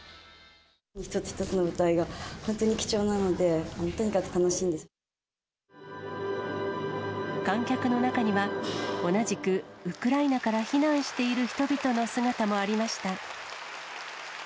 一つ一つの舞台が本当に貴重観客の中には、同じくウクライナから避難している人々の姿もありました。